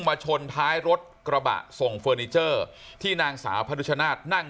ชนท้ายรถกระบะส่งเฟอร์นิเจอร์ที่นางสาวพนุชนาธิ์นั่ง